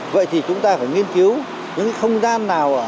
vậy thì chúng ta phải nghiên cứu những không gian nào